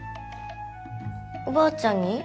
おばあちゃんに？